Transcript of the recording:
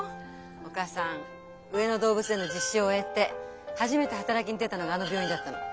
お母さん上野動物園の実習終えて初めて働きに出たのがあの病院だったの。